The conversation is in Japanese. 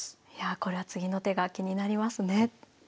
これは次の手が気になりますね。